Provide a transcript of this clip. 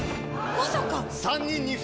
まさか！